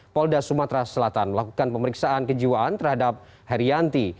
polda sumatera selatan melakukan pemeriksaan kejiwaan terhadap herianti